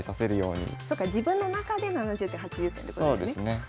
そっか自分の中で７０点８０点ってことですよね。